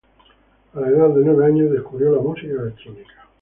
A la edad de nueve años descubrió la música electrónica.